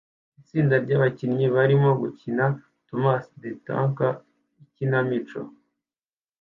Itsinda ryabakinnyi barimo gukina Thomas the Tank ikinamico